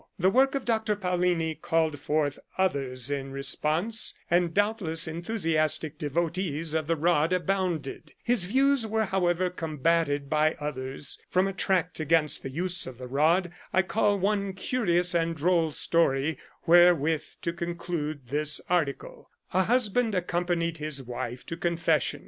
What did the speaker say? The work of Dr. Paullini called forth others in response, and doubtless enthusiastic devotees of the rod abounded. His views were, however, combated by others. From a tract against the use of the rod I cull one curious and droll story, wherewith to conclude this article :— A husband accompanied his wife to confession.